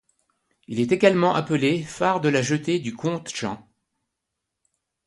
Il est également appelé phare de la Jetée du Comte Jean.